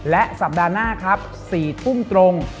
และสัปดาห์หน้าครับ๔ทุ่มตรง